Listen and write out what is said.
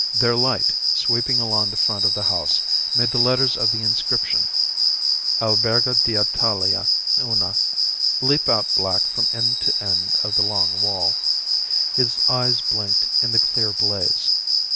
Their light, sweeping along the front of the house, made the letters of the inscription, "Albergo d'ltalia Una," leap out black from end to end of the long wall. His eyes blinked in the clear blaze.